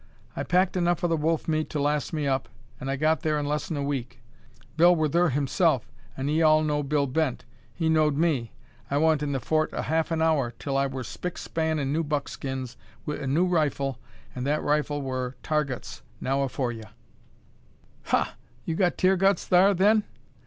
I packed enough of the wolf meat to last me up, an' I got there in less'n a week. Bill wur thur himself, an' 'ee all know Bill Bent. He know'd me. I wa'n't in the Fort a half an hour till I were spick span in new buckskins, wi' a new rifle; an' that rifle wur Tar guts, now afore ye." "Ha! you got Tear guts thar then?"